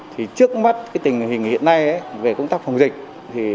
thì trước mắt tình hình hiện nay về công tác phòng dịch